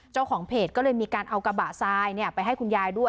เจ้าของเพจก็เลยมีการเอากระบะทรายไปให้คุณยายด้วย